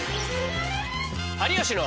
「有吉の」。